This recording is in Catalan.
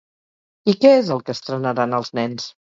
I què és el que estrenaran els nens?